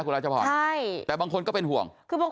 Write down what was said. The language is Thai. แต่ว่าถ้ามุมมองในทางการรักษาก็ดีค่ะ